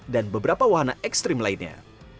dan beberapa wahana ekstrim lainnya